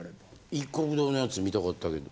いっこく堂のやつ見たかったけど。